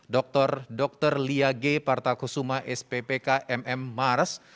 dr dr lia g partakusuma sppk mm mars